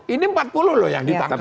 ini empat puluh loh yang ditangkap